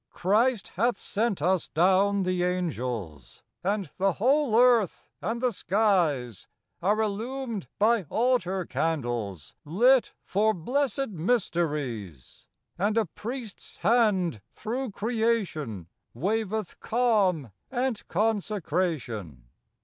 Christ hath sent us down the angels; And the whole earth and the skies Are illumed by altar candles TRUTH. 35 Lit for blessed mysteries ; And a Priest's Hand, through creation, Waveth calm and consecration.